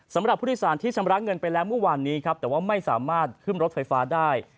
สำหรับผู้โดยสารที่ชำระเงินไปแล้วเมื่อวานนี้ครับแต่ว่าไม่สามารถขึ้นรถไฟฟ้าได้